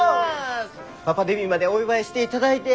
パパデビューまでお祝いしていただいて。